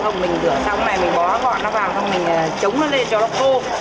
xong mình rửa xong này mình bó gọn nó vào xong mình chống nó lên cho nó khô